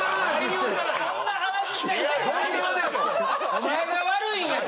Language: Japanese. お前が悪いんやろ！